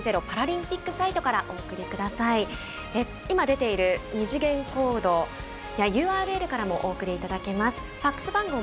今、出ている二次元コードやＵＲＬからもお送りいただけます。